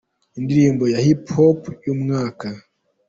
Indirimbo ya hip hop y’umwaka .